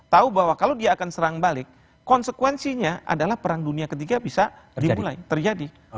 tahu bahwa kalau dia akan serang balik konsekuensinya adalah perang dunia ketiga bisa dimulai terjadi